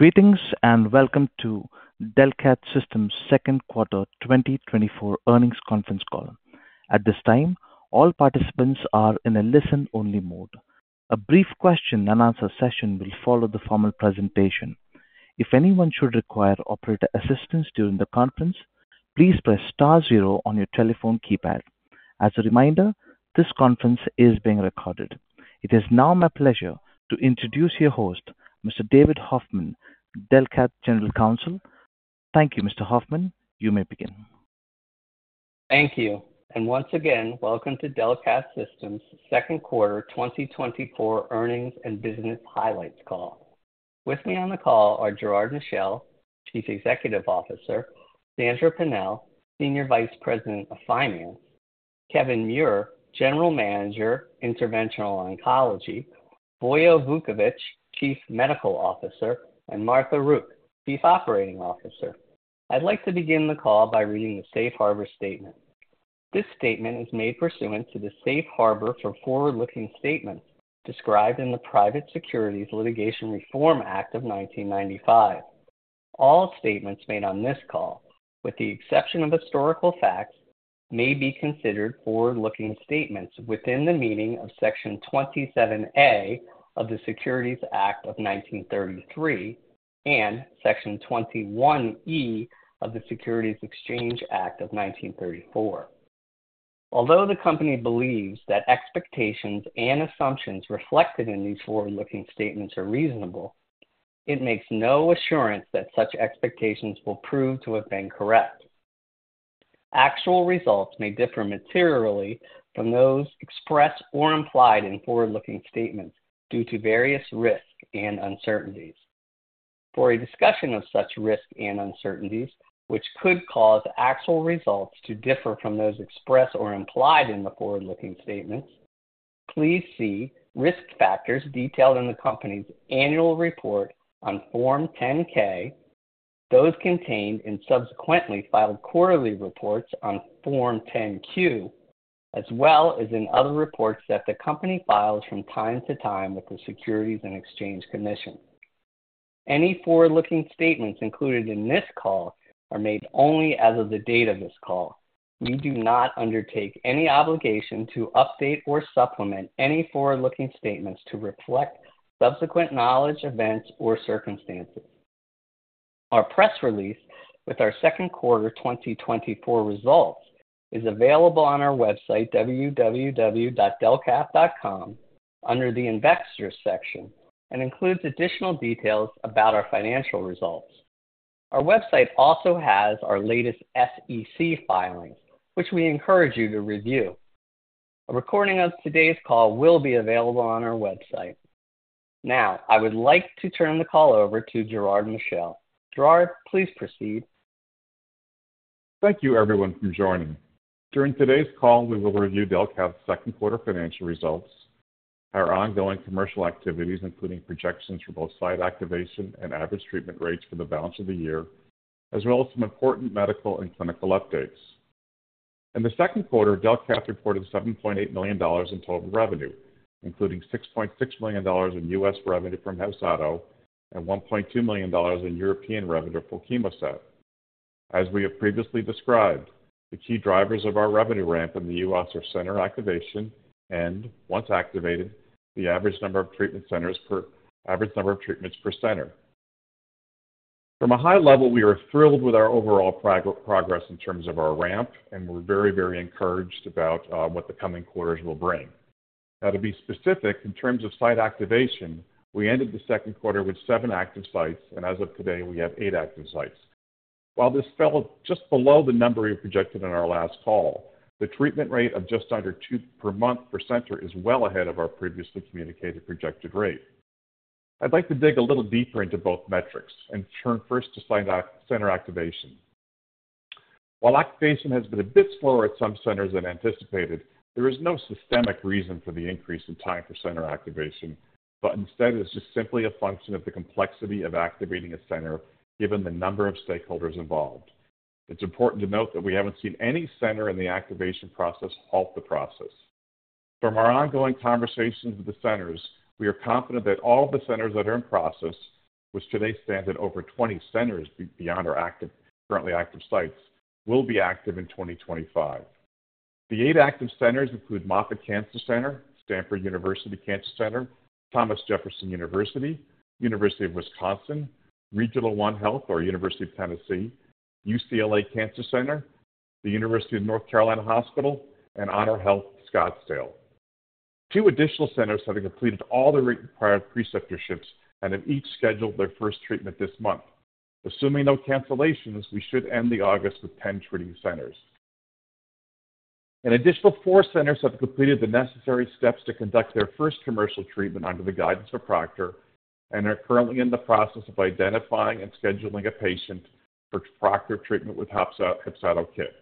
Greetings and welcome to Delcath Systems' Second Quarter 2024 Earnings Conference Call. At this time, all participants are in a listen-only mode. A brief question-and-answer session will follow the formal presentation. If anyone should require operator assistance during the conference, please press star zero on your telephone keypad. As a reminder, this conference is being recorded. It is now my pleasure to introduce your host, Mr. David Hoffman, Delcath General Counsel. Thank you, Mr. Hoffman. You may begin. Thank you. And once again, welcome to Delcath Systems' Second Quarter 2024 Earnings and Business Highlights Call. With me on the call are Gerard Michel, Chief Executive Officer, Sandra Pennell, Senior Vice President of Finance, Kevin Muir, General Manager, Interventional Oncology, Vojo Vukovic, Chief Medical Officer, and Martha Rook, Chief Operating Officer. I'd like to begin the call by reading the Safe Harbor Statement. This statement is made pursuant to the safe harbor for forward-looking statements described in the Private Securities Litigation Reform Act of 1995. All statements made on this call, with the exception of historical facts, may be considered forward-looking statements within the meaning of Section 27A of the Securities Act of 1933 and Section 21E of the Securities Exchange Act of 1934. Although the company believes that expectations and assumptions reflected in these forward-looking statements are reasonable, it makes no assurance that such expectations will prove to have been correct. Actual results may differ materially from those expressed or implied in forward-looking statements due to various risks and uncertainties. For a discussion of such risks and uncertainties, which could cause actual results to differ from those expressed or implied in the forward-looking statements, please see risk factors detailed in the company's annual report on Form 10-K, those contained in subsequently filed quarterly reports on Form 10-Q, as well as in other reports that the company files from time to time with the Securities and Exchange Commission. Any forward-looking statements included in this call are made only as of the date of this call. We do not undertake any obligation to update or supplement any forward-looking statements to reflect subsequent knowledge, events, or circumstances. Our press release with our Second Quarter 2024 results is available on our website, www.delcath.com, under the Investors section, and includes additional details about our financial results. Our website also has our latest SEC filings, which we encourage you to review. A recording of today's call will be available on our website. Now, I would like to turn the call over to Gerard Michel. Gerard, please proceed. Thank you, everyone, for joining. During today's call, we will review Delcath's Second Quarter financial results, our ongoing commercial activities, including projections for both site activation and average treatment rates for the balance of the year, as well as some important medical and clinical updates. In the second quarter, Delcath reported $7.8 million in total revenue, including $6.6 million in U.S. revenue from HEPZATO and $1.2 million in European revenue from CHEMOSAT. As we have previously described, the key drivers of our revenue ramp in the U.S. are center activation and, once activated, the average number of treatment centers per average number of treatments per center. From a high level, we are thrilled with our overall progress in terms of our ramp, and we're very, very encouraged about what the coming quarters will bring. Now, to be specific, in terms of site activation, we ended the second quarter with 7 active sites, and as of today, we have 8 active sites. While this fell just below the number we projected in our last call, the treatment rate of just under 2 per month per center is well ahead of our previously communicated projected rate. I'd like to dig a little deeper into both metrics and turn first to center activation. While activation has been a bit slower at some centers than anticipated, there is no systemic reason for the increase in time for center activation, but instead, it is just simply a function of the complexity of activating a center given the number of stakeholders involved. It's important to note that we haven't seen any center in the activation process halt the process. From our ongoing conversations with the centers, we are confident that all of the centers that are in process, which today stands at over 20 centers beyond our currently active sites, will be active in 2025. The eight active centers include Moffitt Cancer Center, Stanford University Cancer Center, Thomas Jefferson University, University of Wisconsin, Regional One Health or University of Tennessee, UCLA Cancer Center, the University of North Carolina Hospital, and HonorHealth Scottsdale. Two additional centers have completed all the required preceptorships and have each scheduled their first treatment this month. Assuming no cancellations, we should end August with 10 treating centers. An additional four centers have completed the necessary steps to conduct their first commercial treatment under the guidance of a proctor and are currently in the process of identifying and scheduling a patient for proctored treatment with HEPZATO KIT.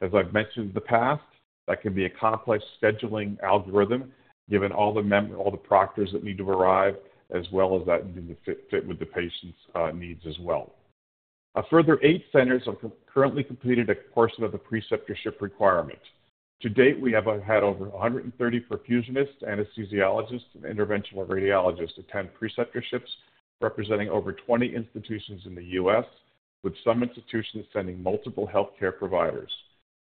As I've mentioned in the past, that can be a complex scheduling algorithm given all the proctors that need to arrive, as well as that need to fit with the patient's needs as well. A further eight centers have currently completed a portion of the preceptorship requirement. To date, we have had over 130 perfusionists, anesthesiologists, and interventional radiologists attend preceptorships, representing over 20 institutions in the U.S., with some institutions sending multiple healthcare providers.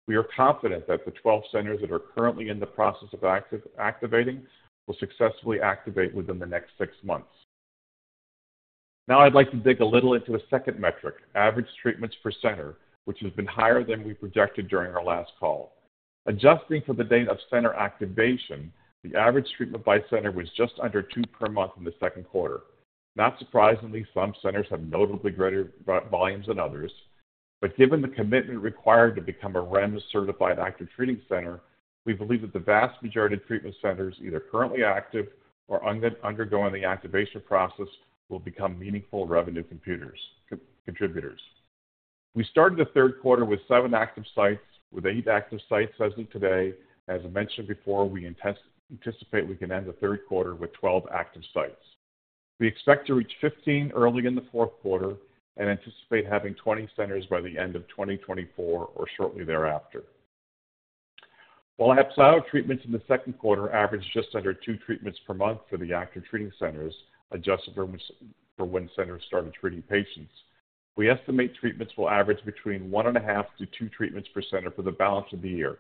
We are confident that the 12 centers that are currently in the process of activating will successfully activate within the next six months. Now, I'd like to dig a little into a second metric, average treatments per center, which has been higher than we projected during our last call. Adjusting for the date of center activation, the average treatment by center was just under two per month in the second quarter. Not surprisingly, some centers have notably greater volumes than others, but given the commitment required to become a REMS-certified active treating center, we believe that the vast majority of treatment centers, either currently active or undergoing the activation process, will become meaningful revenue contributors. We started the third quarter with 7 active sites, with 8 active sites as of today. As mentioned before, we anticipate we can end the third quarter with 12 active sites. We expect to reach 15 early in the fourth quarter and anticipate having 20 centers by the end of 2024 or shortly thereafter. While HEPZATO treatments in the second quarter averaged just under 2 treatments per month for the active treating centers, adjusted for when centers started treating patients, we estimate treatments will average between 1.5-2 treatments per center for the balance of the year,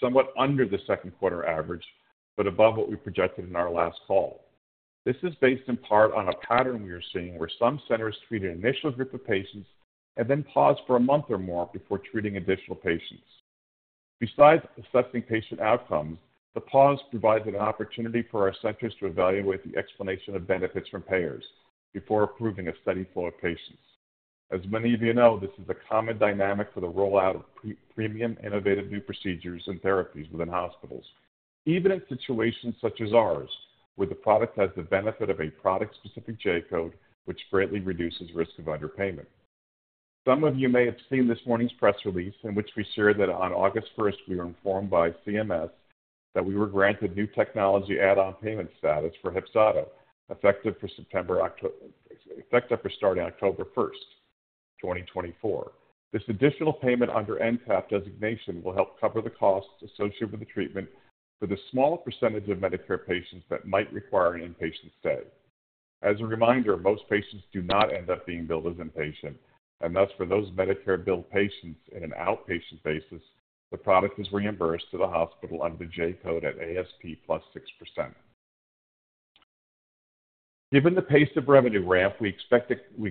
somewhat under the second quarter average, but above what we projected in our last call. This is based in part on a pattern we are seeing where some centers treat an initial group of patients and then pause for a month or more before treating additional patients. Besides assessing patient outcomes, the pause provides an opportunity for our centers to evaluate the explanation of benefits from payers before approving a steady flow of patients. As many of you know, this is a common dynamic for the rollout of premium innovative new procedures and therapies within hospitals, even in situations such as ours, where the product has the benefit of a product-specific J-code, which greatly reduces risk of underpayment. Some of you may have seen this morning's press release in which we shared that on August 1st, we were informed by CMS that we were granted New Technology Add-on Payment status for HEPZATO, effective for starting October 1st, 2024. This additional payment under NTAP designation will help cover the costs associated with the treatment for the small percentage of Medicare patients that might require an inpatient stay. As a reminder, most patients do not end up being billed as inpatient, and thus for those Medicare billed patients in an outpatient basis, the product is reimbursed to the hospital under the J code at ASP +6%. Given the pace of revenue ramp, we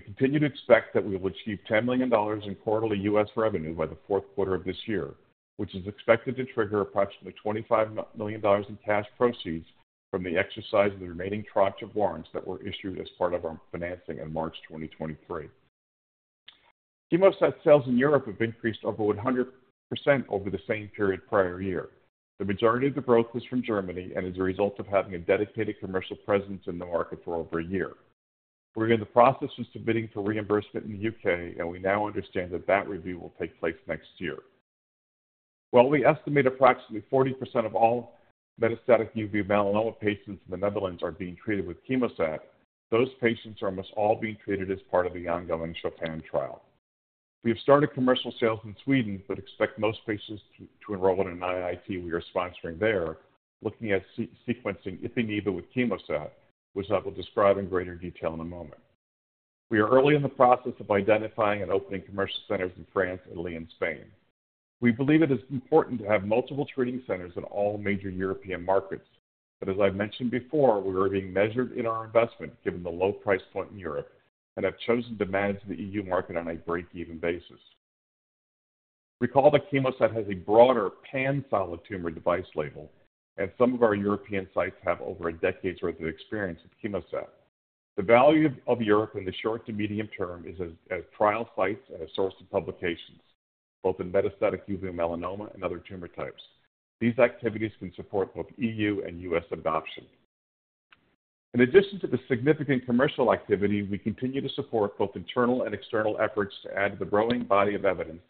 continue to expect that we will achieve $10 million in quarterly U.S. revenue by the fourth quarter of this year, which is expected to trigger approximately $25 million in cash proceeds from the exercise of the remaining tranche of warrants that were issued as part of our financing in March 2023. CHEMOSAT sales in Europe have increased over 100% over the same period prior year. The majority of the growth was from Germany and is a result of having a dedicated commercial presence in the market for over a year. We're in the process of submitting for reimbursement in the U.K., and we now understand that that review will take place next year. While we estimate approximately 40% of all metastatic uveal melanoma patients in the Netherlands are being treated with CHEMOSAT, those patients are almost all being treated as part of the ongoing CHOPIN trial. We have started commercial sales in Sweden but expect most patients to enroll in an IIT we are sponsoring there, looking at sequencing ipi/nivo with CHEMOSAT, which I will describe in greater detail in a moment. We are early in the process of identifying and opening commercial centers in France, Italy, and Spain. We believe it is important to have multiple treating centers in all major European markets, but as I mentioned before, we are being measured in our investment given the low price point in Europe and have chosen to manage the EU market on a break-even basis. Recall that CHEMOSAT has a broader pan-solid tumor device label, and some of our European sites have over a decade's worth of experience with CHEMOSAT. The value of Europe in the short to medium term is as trial sites and a source of publications, both in metastatic uveal melanoma and other tumor types. These activities can support both EU and U.S. adoption. In addition to the significant commercial activity, we continue to support both internal and external efforts to add to the growing body of evidence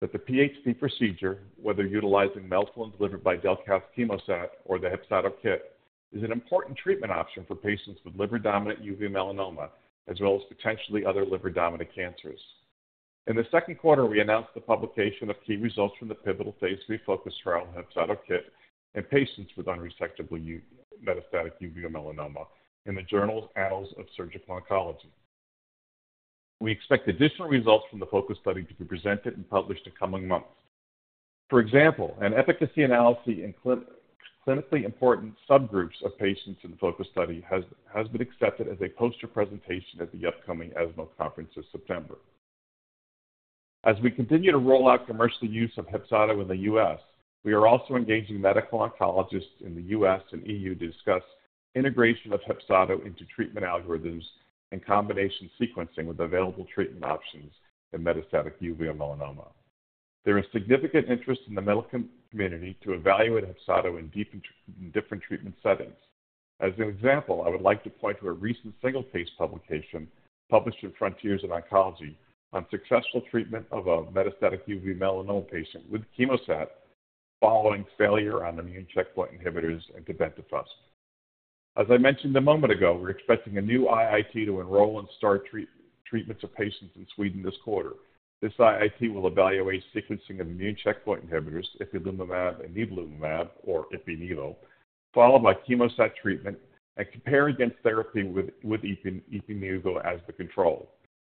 that the PHP procedure, whether utilizing melphalan delivered by Delcath CHEMOSAT or the HEPZATO KIT, is an important treatment option for patients with liver-dominant uveal melanoma, as well as potentially other liver-dominant cancers. In the second quarter, we announced the publication of key results from the Pivotal Phase III FOCUS Trial for the HEPZATO KIT in patients with unresectable metastatic uveal melanoma in the Annals of Surgical Oncology. We expect additional results from the FOCUS study to be presented and published in coming months. For example, an efficacy analysis in clinically important subgroups of patients in the FOCUS study has been accepted as a poster presentation at the upcoming ESMO conference this September. As we continue to roll out commercial use of HEPZATO in the U.S., we are also engaging medical oncologists in the U.S. and EU to discuss integration of HEPZATO into treatment algorithms and combination sequencing with available treatment options in metastatic uveal melanoma. There is significant interest in the medical community to evaluate HEPZATO in different treatment settings. As an example, I would like to point to a recent single-page publication published in Frontiers in Oncology on successful treatment of a metastatic uveal melanoma patient with CHEMOSAT following failure on immune checkpoint inhibitors and tebentafusp. As I mentioned a moment ago, we're expecting a new IIT to enroll and start treatments of patients in Sweden this quarter. This IIT will evaluate sequencing of immune checkpoint inhibitors, ipilimumab and nivolumab, or ipi, followed by CHEMOSAT treatment and compare against therapy with ipilimumab as the control.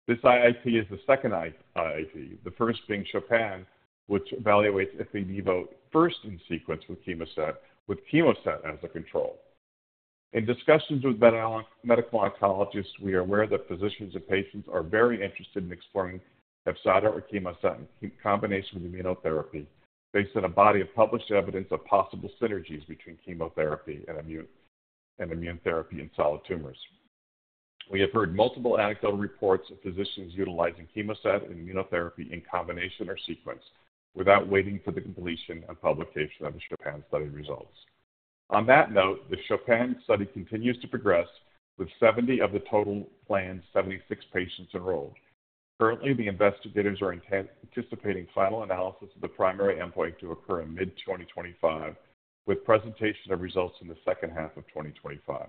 This IIT is the second IIT, the first being CHOPIN, which evaluates ipilimumab first in sequence with CHEMOSAT as the control. In discussions with medical oncologists, we are aware that physicians and patients are very interested in exploring HEPZATO or CHEMOSAT in combination with immunotherapy based on a body of published evidence of possible synergies between chemotherapy and immune therapy in solid tumors. We have heard multiple anecdotal reports of physicians utilizing CHEMOSAT and immunotherapy in combination or sequence without waiting for the completion and publication of the CHOPIN study results. On that note, the CHOPIN study continues to progress with 70 of the total planned 76 patients enrolled. Currently, the investigators are anticipating final analysis of the primary endpoint to occur in mid-2025, with presentation of results in the second half of 2025.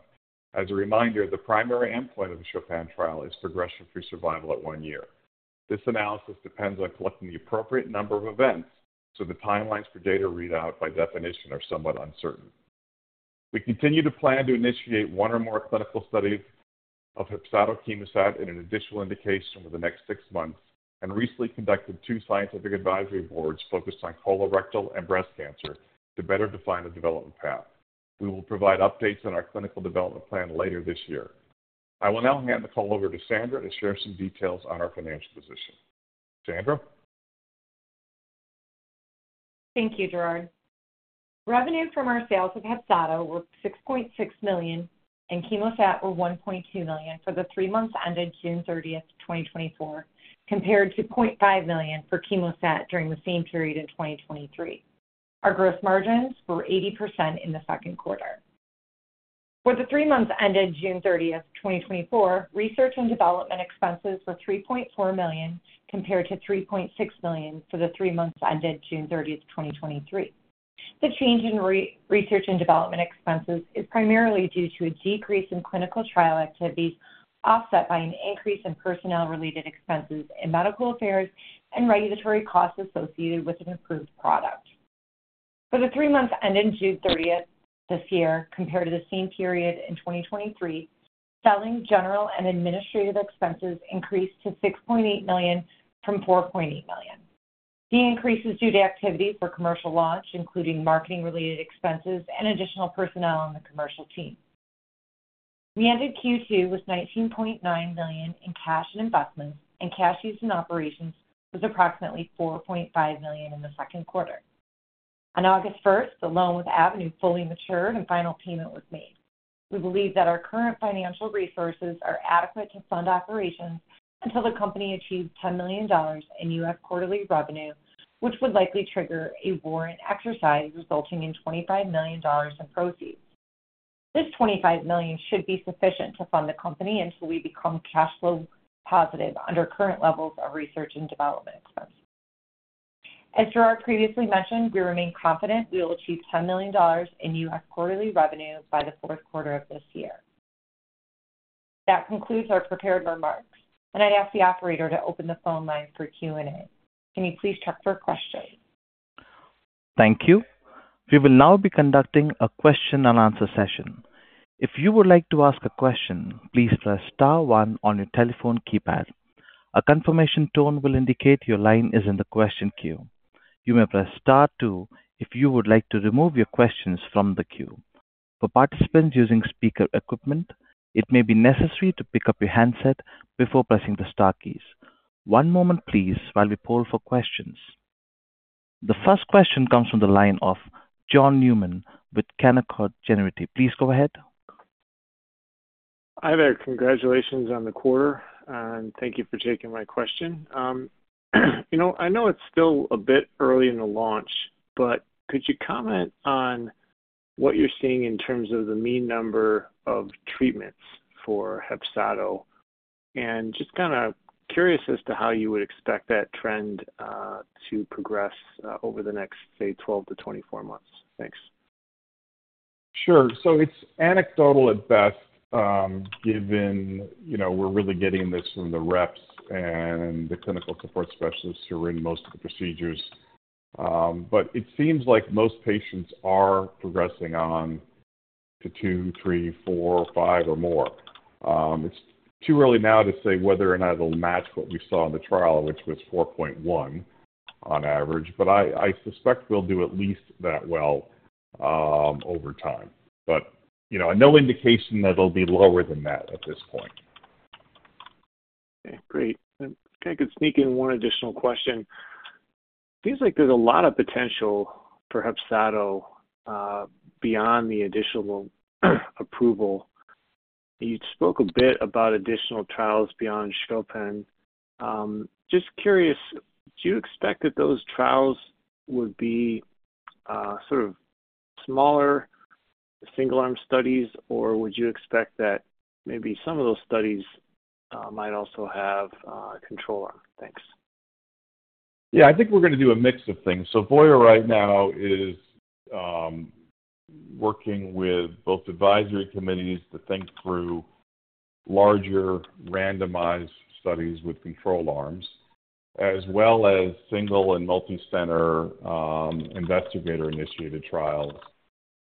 As a reminder, the primary endpoint of the CHOPIN trial is progression-free survival at one year. This analysis depends on collecting the appropriate number of events, so the timelines for data readout by definition are somewhat uncertain. We continue to plan to initiate one or more clinical studies of HEPZATO CHEMOSAT and an additional indication over the next six months, and recently conducted two scientific advisory boards focused on colorectal and breast cancer to better define the development path. We will provide updates on our clinical development plan later this year. I will now hand the call over to Sandra to share some details on our financial position. Sandra? Thank you, Gerard. Revenue from our sales of HEPZATO were $6.6 million, and CHEMOSAT were $1.2 million for the three months ended June 30th, 2024, compared to $0.5 million for CHEMOSAT during the same period in 2023. Our gross margins were 80% in the second quarter. For the three months ended June 30th, 2024, research and development expenses were $3.4 million compared to $3.6 million for the three months ended June 30th, 2023. The change in research and development expenses is primarily due to a decrease in clinical trial activities offset by an increase in personnel-related expenses in medical affairs and regulatory costs associated with an approved product. For the three months ended June 30th this year, compared to the same period in 2023, selling general and administrative expenses increased to $6.8 million from $4.8 million. The increase is due to activities for commercial launch, including marketing-related expenses and additional personnel on the commercial team. We ended Q2 with $19.9 million in cash and investments, and cash used in operations was approximately $4.5 million in the second quarter. On August 1st, the loan with Avenue fully matured, and final payment was made. We believe that our current financial resources are adequate to fund operations until the company achieves $10 million in U.S. quarterly revenue, which would likely trigger a warrant exercise resulting in $25 million in proceeds. This $25 million should be sufficient to fund the company until we become cash flow positive under current levels of research and development expenses. As Gerard previously mentioned, we remain confident we will achieve $10 million in U.S. quarterly revenue by the fourth quarter of this year. That concludes our prepared remarks, and I'd ask the operator to open the phone line for Q&A. Can you please check for questions? Thank you. We will now be conducting a question-and-answer session. If you would like to ask a question, please press star one on your telephone keypad. A confirmation tone will indicate your line is in the question queue. You may press star two if you would like to remove your questions from the queue. For participants using speaker equipment, it may be necessary to pick up your handset before pressing the star keys. One moment, please, while we poll for questions. The first question comes from the line of John Newman with Canaccord Genuity. Please go ahead. Hi there. Congratulations on the quarter, and thank you for taking my question. You know, I know it's still a bit early in the launch, but could you comment on what you're seeing in terms of the mean number of treatments for HEPZATO? And just kind of curious as to how you would expect that trend to progress over the next, say, 12-24 months. Thanks. Sure. So it's anecdotal at best, given, you know, we're really getting this from the reps and the clinical support specialists who are in most of the procedures. But it seems like most patients are progressing on to two, three, four, five, or more. It's too early now to say whether or not it'll match what we saw in the trial, which was 4.1 on average, but I suspect we'll do at least that well over time. But, you know, no indication that it'll be lower than that at this point. Okay. Great. I'm kind of going to sneak in one additional question. It seems like there's a lot of potential for HEPZATO beyond the additional approval. You spoke a bit about additional trials beyond CHOPIN. Just curious, do you expect that those trials would be sort of smaller, single-arm studies, or would you expect that maybe some of those studies might also have control arm? Thanks. Yeah, I think we're going to do a mix of things. So Vojo right now is working with both advisory committees to think through larger randomized studies with control arms, as well as single and multi-center investigator-initiated trials.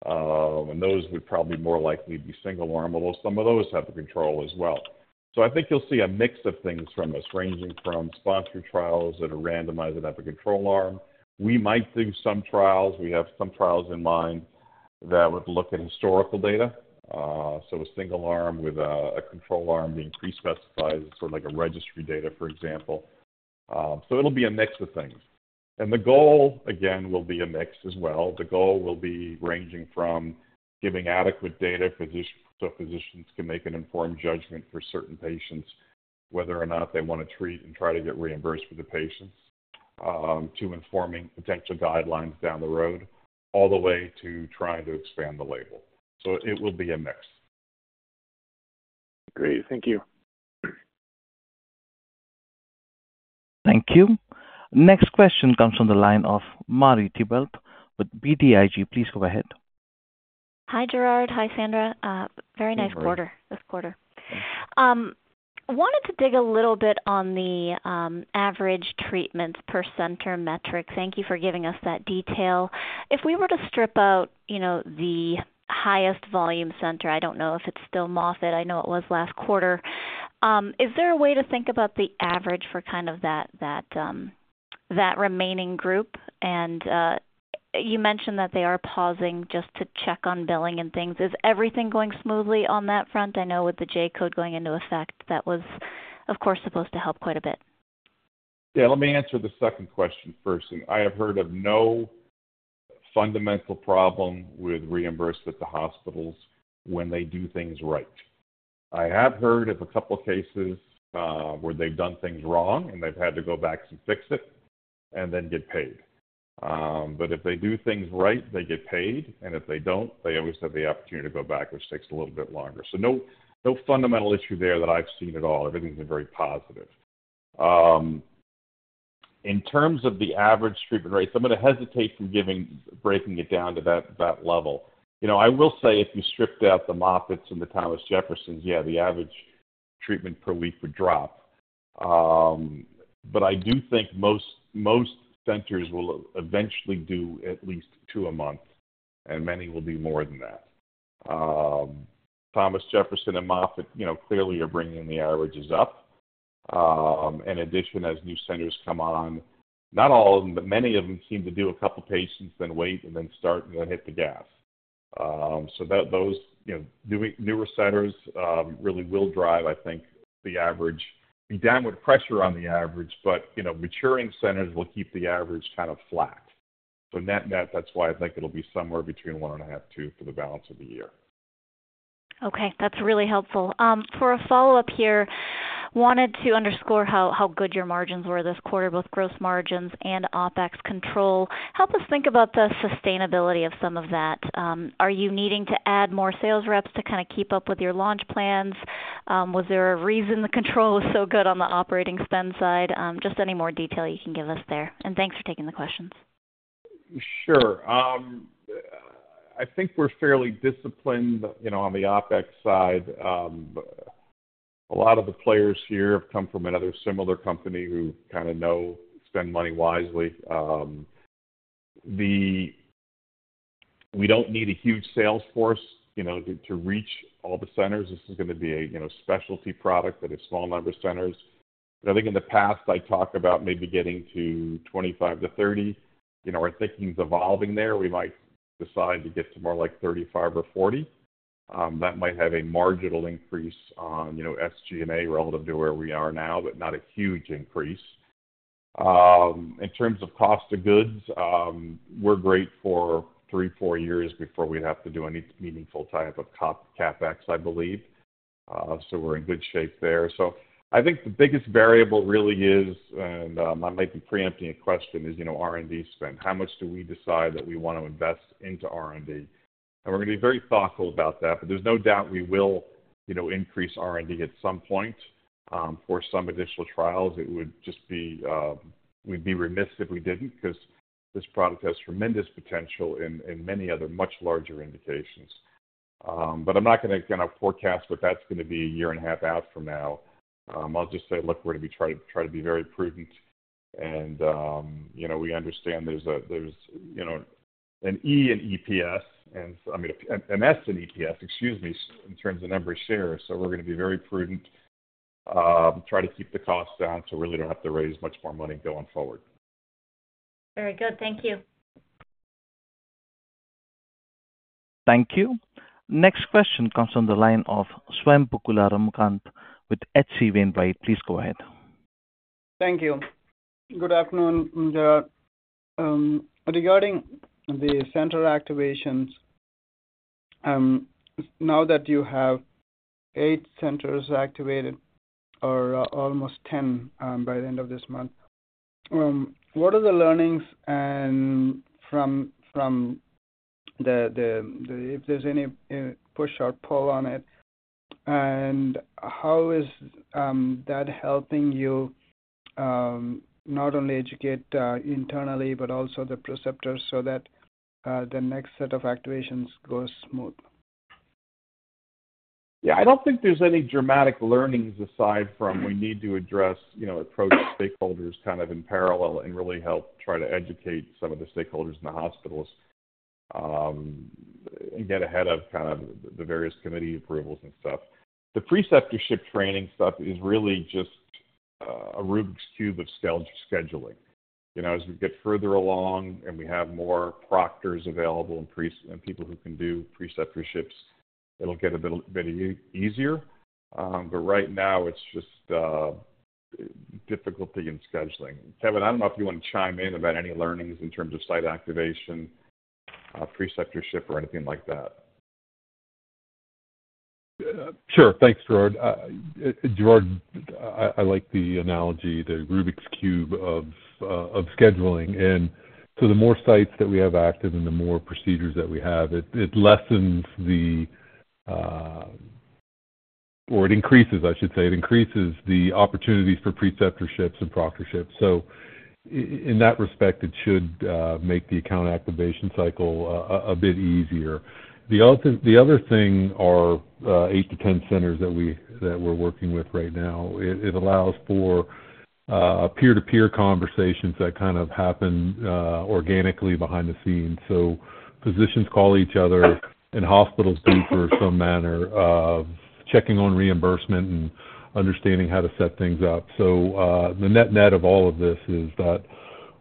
And those would probably more likely be single-arm, although some of those have control as well. So I think you'll see a mix of things from us, ranging from sponsored trials that are randomized and have a control arm. We might do some trials. We have some trials in mind that would look at historical data. So a single arm with a control arm being pre-specified, sort of like a registry data, for example. So it'll be a mix of things. The goal, again, will be a mix as well. The goal will be ranging from giving adequate data so physicians can make an informed judgment for certain patients, whether or not they want to treat and try to get reimbursed for the patients, to informing potential guidelines down the road, all the way to trying to expand the label. So it will be a mix. Great. Thank you. Thank you. Next question comes from the line of Marie Thibault with BTIG. Please go ahead. Hi, Gerard. Hi, Sandra. Very nice quarter. This quarter. Wanted to dig a little bit on the average treatments per center metric. Thank you for giving us that detail. If we were to strip out, you know, the highest volume center, I don't know if it's still Moffitt. I know it was last quarter. Is there a way to think about the average for kind of that remaining group? And you mentioned that they are pausing just to check on billing and things. Is everything going smoothly on that front? I know with the J-code going into effect, that was, of course, supposed to help quite a bit. Yeah. Let me answer the second question first. I have heard of no fundamental problem with reimbursement to hospitals when they do things right. I have heard of a couple of cases where they've done things wrong and they've had to go back and fix it and then get paid. But if they do things right, they get paid, and if they don't, they always have the opportunity to go back, which takes a little bit longer. So no fundamental issue there that I've seen at all. Everything's been very positive. In terms of the average treatment rate, I'm going to hesitate from breaking it down to that level. You know, I will say if you stripped out the Moffitts and the Thomas Jeffersons, yeah, the average treatment per week would drop. But I do think most centers will eventually do at least two a month, and many will do more than that. Thomas Jefferson and Moffitt, you know, clearly are bringing the averages up. In addition, as new centers come on, not all of them, but many of them seem to do a couple of patients, then wait, and then start, and then hit the gas. So those, you know, newer centers really will drive, I think, the average. Be downward pressure on the average, but, you know, maturing centers will keep the average kind of flat. So in that, that's why I think it'll be somewhere between 1.5-2 for the balance of the year. Okay. That's really helpful. For a follow-up here, wanted to underscore how good your margins were this quarter, both gross margins and OpEx control. Help us think about the sustainability of some of that. Are you needing to add more sales reps to kind of keep up with your launch plans? Was there a reason the control was so good on the operating spend side? Just any more detail you can give us there. And thanks for taking the questions. Sure. I think we're fairly disciplined, you know, on the OpEx side. A lot of the players here have come from another similar company who kind of know spend money wisely. We don't need a huge sales force, you know, to reach all the centers. This is going to be a, you know, specialty product that has small number of centers. I think in the past, I talked about maybe getting to 25-30. You know, our thinking's evolving there. We might decide to get to more like 35 or 40. That might have a marginal increase on, you know, SG&A relative to where we are now, but not a huge increase. In terms of cost of goods, we're great for 3-4 years before we have to do any meaningful type of CapEx, I believe. So we're in good shape there. So I think the biggest variable really is, and I might be preempting a question, is, you know, R&D spend. How much do we decide that we want to invest into R&D? And we're going to be very thoughtful about that, but there's no doubt we will, you know, increase R&D at some point for some additional trials. It would just be we'd be remiss if we didn't because this product has tremendous potential in many other much larger indications. But I'm not going to kind of forecast what that's going to be a year and a half out from now. I'll just say, look, we're going to be trying to be very prudent. And, you know, we understand there's a, you know, an E in EPS, and I mean, an S in EPS, excuse me, in terms of number of shares. So we're going to be very prudent, try to keep the cost down so we really don't have to raise much more money going forward. Very good. Thank you. Thank you. Next question comes from the line of Swayampakula Ramakanth with H.C. Wainwright. Please go ahead. Thank you. Good afternoon, Gerard. Regarding the center activations, now that you have 8 centers activated or almost 10 by the end of this month, what are the learnings from the, if there's any push or pull on it, and how is that helping you not only educate internally, but also the preceptors so that the next set of activations goes smooth? Yeah. I don't think there's any dramatic learnings aside from we need to address, you know, approach stakeholders kind of in parallel and really help try to educate some of the stakeholders in the hospitals and get ahead of kind of the various committee approvals and stuff. The preceptorship training stuff is really just a Rubik's Cube of scheduling. You know, as we get further along and we have more proctors available and people who can do preceptorships, it'll get a bit easier. But right now, it's just difficulty in scheduling. Kevin, I don't know if you want to chime in about any learnings in terms of site activation, preceptorship, or anything like that. Sure. Thanks, Gerard. Gerard, I like the analogy, the Rubik's Cube of scheduling. And so the more sites that we have active and the more procedures that we have, it lessens the, or it increases, I should say, it increases the opportunities for preceptorships and proctorships. So in that respect, it should make the account activation cycle a bit easier. The other thing are 8-10 centers that we're working with right now. It allows for peer-to-peer conversations that kind of happen organically behind the scenes. So physicians call each other, and hospitals do for some manner of checking on reimbursement and understanding how to set things up. So the net-net of all of this is that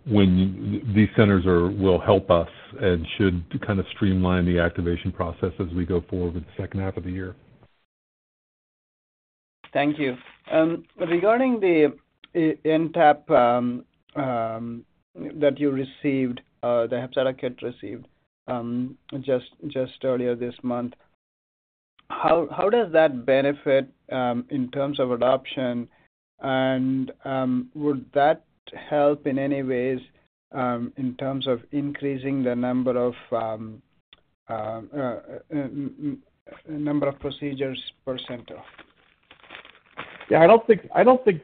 these centers will help us and should kind of streamline the activation process as we go forward with the second half of the year. Thank you. Regarding the NTAP that you received, the HEPZATO KIT received just earlier this month, how does that benefit in terms of adoption? And would that help in any ways in terms of increasing the number of procedures per center? Yeah. I don't think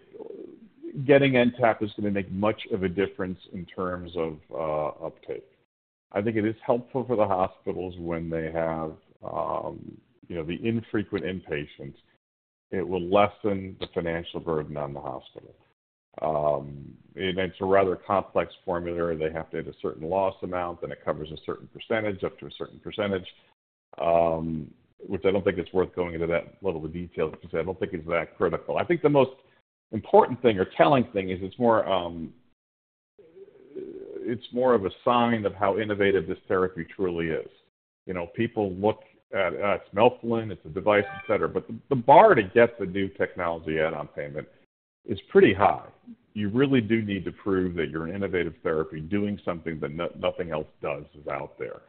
getting NTAP is going to make much of a difference in terms of uptake. I think it is helpful for the hospitals when they have, you know, the infrequent inpatients. It will lessen the financial burden on the hospital. And it's a rather complex formula. They have to add a certain loss amount, then it covers a certain percentage up to a certain percentage, which I don't think it's worth going into that level of detail because I don't think it's that critical. I think the most important thing or telling thing is it's more of a sign of how innovative this therapy truly is. You know, people look at, it's melphalan, it's a device, et cetera, but the bar to get the new technology out on payment is pretty high. You really do need to prove that you're an innovative therapy doing something that nothing else does is out there.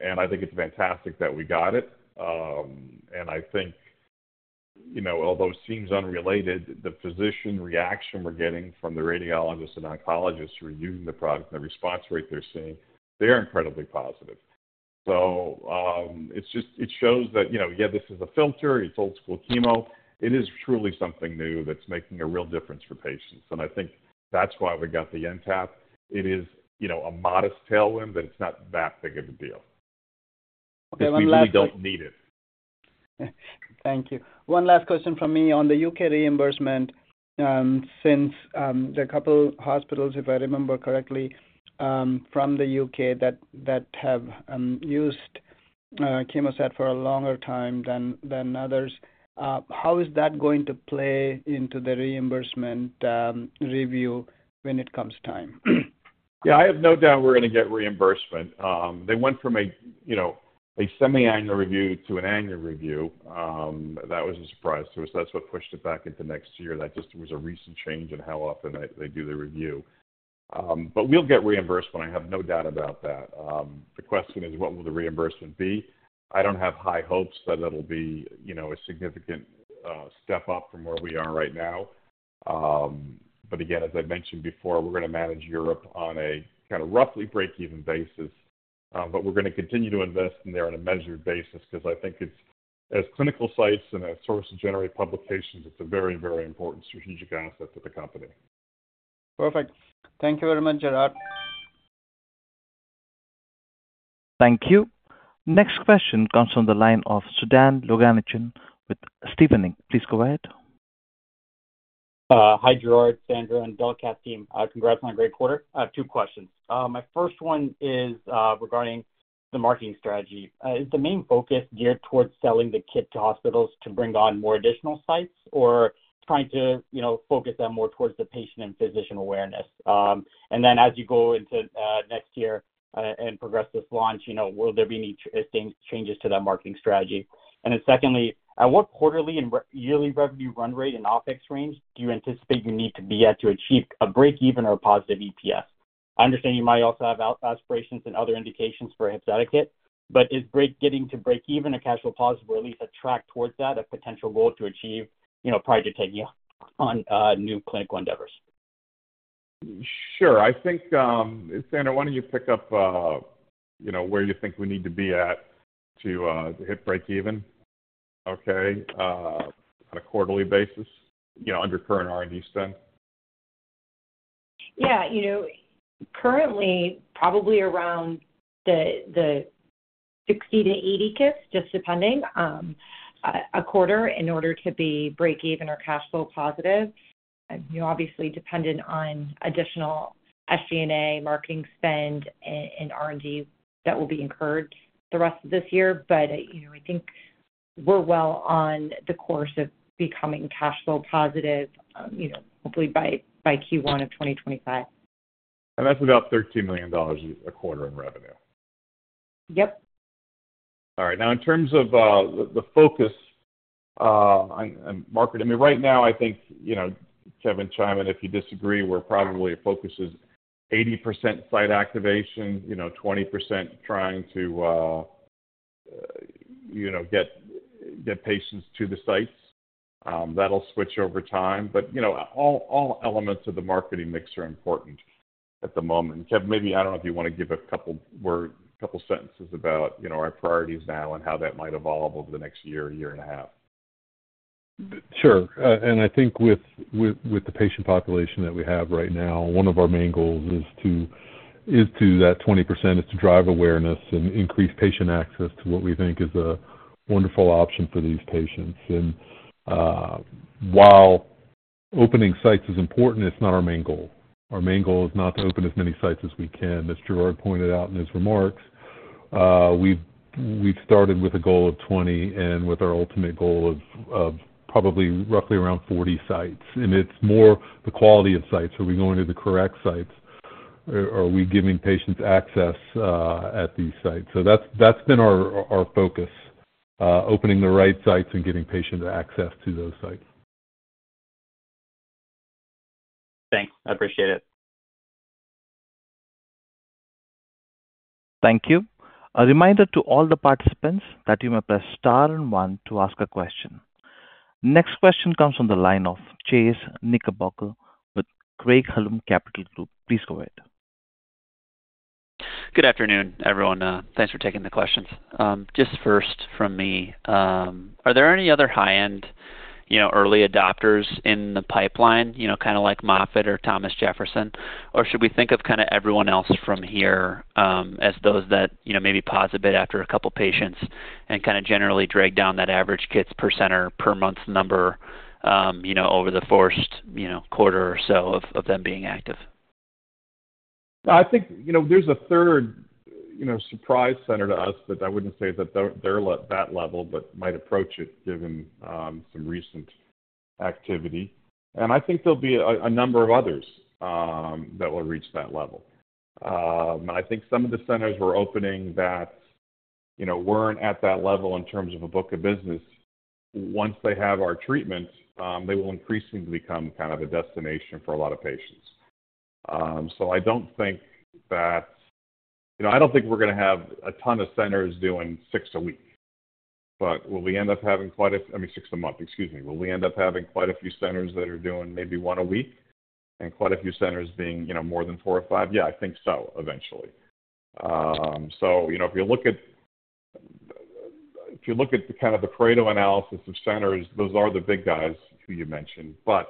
And I think it's fantastic that we got it. And I think, you know, although it seems unrelated, the physician reaction we're getting from the radiologists and oncologists who are using the product and the response rate they're seeing, they are incredibly positive. So it shows that, you know, yeah, this is a filter, it's old-school chemo. It is truly something new that's making a real difference for patients. And I think that's why we got the NTAP. It is, you know, a modest tailwind, but it's not that big of a deal. Okay. One last question. We don't need it. Thank you. One last question from me on the UK reimbursement. Since there are a couple of hospitals, if I remember correctly, from the UK that have used CHEMOSAT for a longer time than others, how is that going to play into the reimbursement review when it comes time? Yeah. I have no doubt we're going to get reimbursement. They went from a, you know, semi-annual review to an annual review. That was a surprise to us. That's what pushed it back into next year. That just was a recent change in how often they do the review. But we'll get reimbursement. I have no doubt about that. The question is, what will the reimbursement be? I don't have high hopes that it'll be, you know, a significant step up from where we are right now. But again, as I mentioned before, we're going to manage Europe on a kind of roughly break-even basis, but we're going to continue to invest in there on a measured basis because I think it's, as clinical sites and as sources generate publications, it's a very, very important strategic asset to the company. Perfect. Thank you very much, Gerard. Thank you. Next question comes from the line of Sudan Loganathan with Stephens Inc. Please go ahead. Hi, Gerard, Sandra, and Delcath team. Congrats on a great quarter. Two questions. My first one is regarding the marketing strategy. Is the main focus geared towards selling the kit to hospitals to bring on more additional sites or trying to, you know, focus them more towards the patient and physician awareness? And then as you go into next year and progress this launch, you know, will there be any changes to that marketing strategy? And then secondly, at what quarterly and yearly revenue run rate and OPEX range do you anticipate you need to be at to achieve a break-even or a positive EPS? I understand you might also have aspirations and other indications for HEPZATO KIT, but is getting to break-even, a cash flow positive, or at least a track towards that, a potential goal to achieve, you know, prior to taking on new clinical endeavors? Sure. I think, Sandra, why don't you pick up, you know, where you think we need to be at to hit break-even, okay, on a quarterly basis, you know, under current R&D spend? Yeah. You know, currently, probably around the 60-80 kits, just depending, a quarter in order to be break-even or cash flow positive. You know, obviously dependent on additional SG&A, marketing spend, and R&D that will be incurred the rest of this year. But, you know, I think we're well on the course of becoming cash flow positive, you know, hopefully by Q1 of 2025. And that's about $13 million a quarter in revenue. Yep. All right. Now, in terms of the focus and market, I mean, right now, I think, you know, Kevin, chime in if you disagree. We're probably focusing 80% site activation, you know, 20% trying to, you know, get patients to the sites. That'll switch over time. But, you know, all elements of the marketing mix are important at the moment. Kevin, maybe I don't know if you want to give a couple sentences about, you know, our priorities now and how that might evolve over the next year, year and a half. Sure. I think with the patient population that we have right now, one of our main goals is to, is to that 20% is to drive awareness and increase patient access to what we think is a wonderful option for these patients. While opening sites is important, it's not our main goal. Our main goal is not to open as many sites as we can. As Gerard pointed out in his remarks, we've started with a goal of 20 and with our ultimate goal of probably roughly around 40 sites. It's more the quality of sites. Are we going to the correct sites? Are we giving patients access at these sites? So that's been our focus, opening the right sites and getting patient access to those sites. Thanks. I appreciate it. Thank you. A reminder to all the participants that you may press star and one to ask a question. Next question comes from the line of Chase Knickerbocker with Craig-Hallum Capital Group. Please go ahead. Good afternoon, everyone. Thanks for taking the questions. Just first from me, are there any other high-end, you know, early adopters in the pipeline, you know, kind of like Moffitt or Thomas Jefferson, or should we think of kind of everyone else from here as those that, you know, maybe pause a bit after a couple patients and kind of generally drag down that average KITS per center per month number, you know, over the first, you know, quarter or so of them being active? I think, you know, there's a third, you know, surprise center to us, but I wouldn't say that they're at that level, but might approach it given some recent activity. And I think there'll be a number of others that will reach that level. I think some of the centers we're opening that, you know, weren't at that level in terms of a book of business, once they have our treatment, they will increasingly become kind of a destination for a lot of patients. So I don't think that, you know, I don't think we're going to have a ton of centers doing six a week. But will we end up having quite a, I mean, six a month, excuse me, will we end up having quite a few centers that are doing maybe one a week and quite a few centers being, you know, more than four or five? Yeah, I think so eventually. So, you know, if you look at, if you look at the kind of the Pareto analysis of centers, those are the big guys who you mentioned. But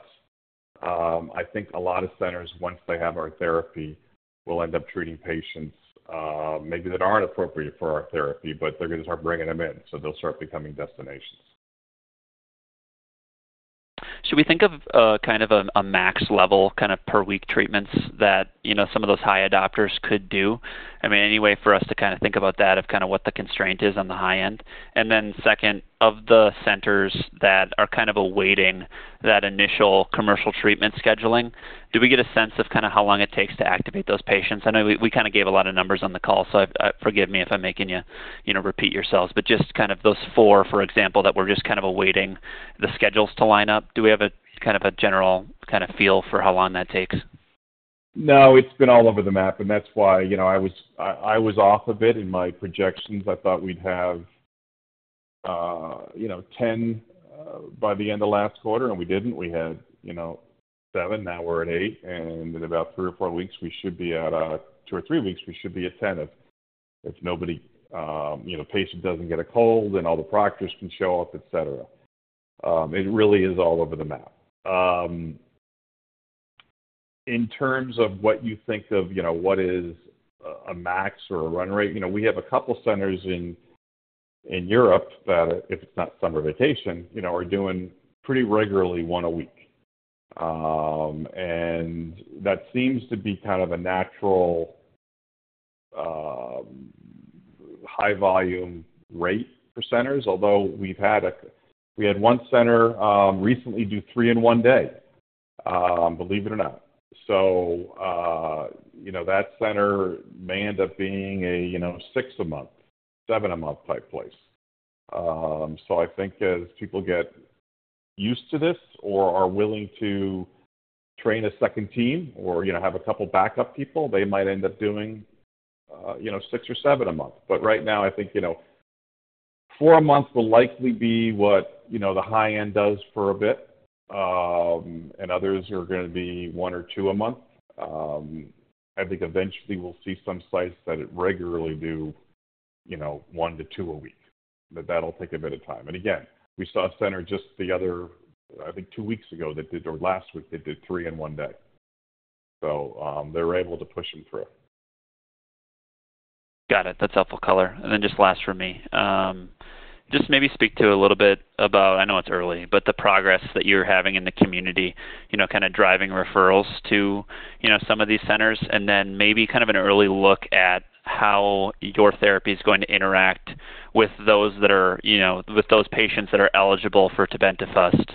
I think a lot of centers, once they have our therapy, will end up treating patients maybe that aren't appropriate for our therapy, but they're going to start bringing them in. So they'll start becoming destinations. Should we think of kind of a max level kind of per week treatments that, you know, some of those high adopters could do? I mean, any way for us to kind of think about that of kind of what the constraint is on the high end? And then second, of the centers that are kind of awaiting that initial commercial treatment scheduling, do we get a sense of kind of how long it takes to activate those patients? I know we kind of gave a lot of numbers on the call, so forgive me if I'm making you, you know, repeat yourselves, but just kind of those 4, for example, that we're just kind of awaiting the schedules to line up. Do we have a kind of a general kind of feel for how long that takes? No, it's been all over the map. And that's why, you know, I was off of it in my projections. I thought we'd have, you know, 10 by the end of last quarter, and we didn't. We had, you know, 7, now we're at 8. And in about 3 or 4 weeks, we should be at, 2 or 3 weeks, we should be at 10 if nobody, you know, patient doesn't get a cold and all the proctors can show up, et cetera. It really is all over the map. In terms of what you think of, you know, what is a max or a run rate, you know, we have a couple centers in Europe that, if it's not summer vacation, you know, are doing pretty regularly 1 a week. And that seems to be kind of a natural high volume rate for centers, although we've had, we had one center recently do 3 in 1 day, believe it or not. So, you know, that center may end up being, you know, 6 a month, 7 a month type place. So I think as people get used to this or are willing to train a second team or, you know, have a couple backup people, they might end up doing, you know, 6 or 7 a month. But right now, I think, you know, 4 a month will likely be what, you know, the high end does for a bit. And others are going to be 1 or 2 a month. I think eventually we'll see some sites that regularly do, you know, 1-2 a week. That'll take a bit of time. And again, we saw a center just the other, I think, 2 weeks ago that did, or last week they did 3 in 1 day. So they were able to push them through. Got it. That's helpful color. Then just last for me, just maybe speak to a little bit about, I know it's early, but the progress that you're having in the community, you know, kind of driving referrals to, you know, some of these centers, and then maybe kind of an early look at how your therapy is going to interact with those that are, you know, with those patients that are eligible for tebentafusp.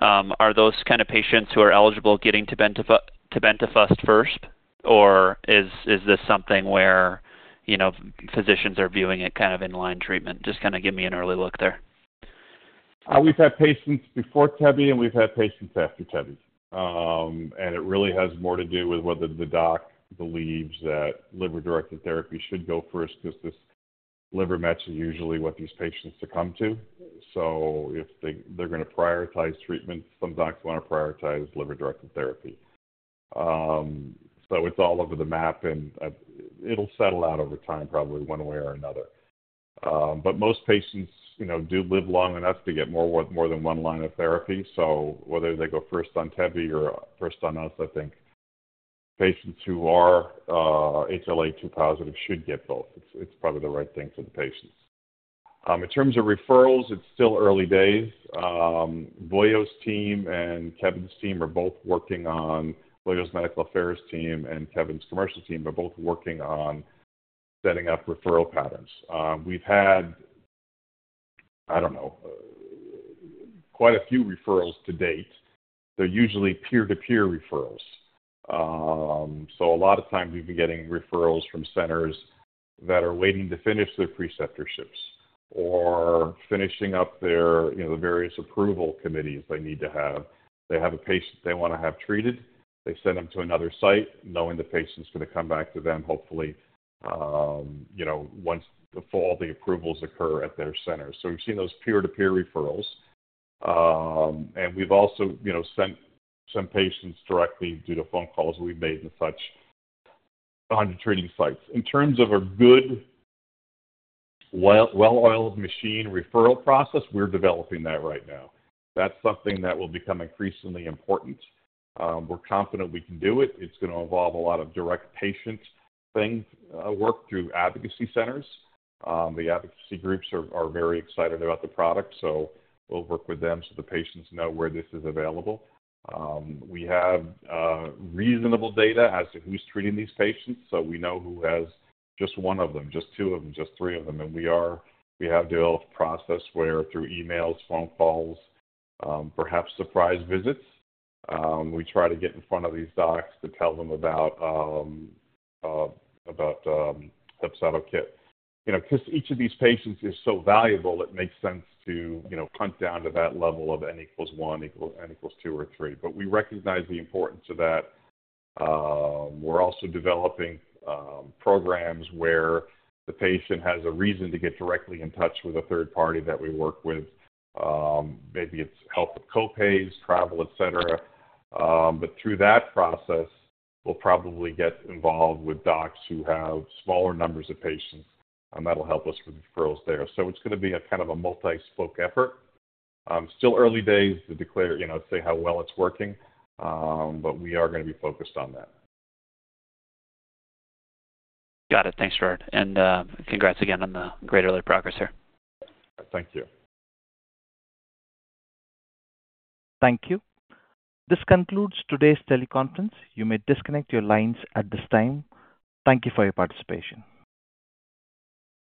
Are those kind of patients who are eligible getting tebentafusp first, or is this something where, you know, physicians are viewing it kind of in line treatment? Just kind of give me an early look there. We've had patients before tebentafusp and we've had patients after tebentafusp. And it really has more to do with whether the doc believes that liver-directed therapy should go first because this liver mets is usually what these patients succumb to. So if they're going to prioritize treatment, some docs want to prioritize liver-directed therapy. So it's all over the map and it'll settle out over time probably one way or another. But most patients, you know, do live long enough to get more than one line of therapy. So whether they go first on Tebe or first on us, I think patients who are HLA-A2 positive should get both. It's probably the right thing for the patients. In terms of referrals, it's still early days. Vojo's team and Kevin's team are both working on, Vojo's medical affairs team and Kevin's commercial team are both working on setting up referral patterns. We've had, I don't know, quite a few referrals to date. They're usually peer-to-peer referrals. So a lot of times we've been getting referrals from centers that are waiting to finish their preceptorships or finishing up their, you know, the various approval committees they need to have. They have a patient they want to have treated; they send them to another site knowing the patient's going to come back to them hopefully, you know, once the full approvals occur at their center. So we've seen those peer-to-peer referrals. And we've also, you know, sent some patients directly due to phone calls we've made and such on the treating sites. In terms of a good, well-oiled machine referral process, we're developing that right now. That's something that will become increasingly important. We're confident we can do it. It's going to involve a lot of direct patient thing work through advocacy centers. The advocacy groups are very excited about the product. So we'll work with them so the patients know where this is available. We have reasonable data as to who's treating these patients. So we know who has just one of them, just two of them, just three of them. And we have developed a process where through emails, phone calls, perhaps surprise visits, we try to get in front of these docs to tell them about HEPZATO KIT. You know, because each of these patients is so valuable, it makes sense to, you know, hunt down to that level of N equals one, N equals two or three. But we recognize the importance of that. We're also developing programs where the patient has a reason to get directly in touch with a third party that we work with. Maybe it's help with copays, travel, et cetera. But through that process, we'll probably get involved with docs who have smaller numbers of patients, and that'll help us with referrals there. So it's going to be a kind of a multi-spoke effort. Still early days to declare, you know, say how well it's working, but we are going to be focused on that. Got it. Thanks, Gerard. And congrats again on the great early progress here. Thank you. Thank you. This concludes today's teleconference. You may disconnect your lines at this time. Thank you for your participation.